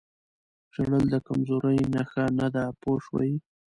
ژړل د کمزورۍ نښه نه ده پوه شوې!.